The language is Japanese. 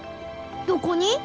どこに？